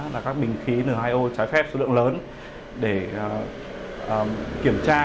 là các bình khí n hai o trái phép số lượng lớn để kiểm tra